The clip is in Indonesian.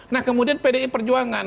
nah kemudian pdi perjuangan